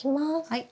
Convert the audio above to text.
はい。